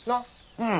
うん。